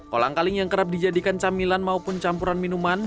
kolang kaling yang kerap dijadikan camilan maupun campuran minuman